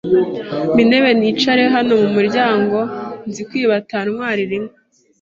Mpa intebe nicare hano mu muryango Nzikwiba atantwarira inka